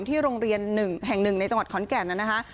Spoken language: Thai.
ที่โรงเรียน๑แห่ง๑ในจังหวัดขอนแก่นนะคะ